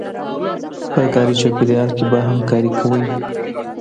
په کاري چاپیریال کي به همکاري کوئ.